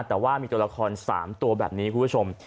แต่ว่ามีตัวละคร๓ตัวแบบนี้คุณผู้ชม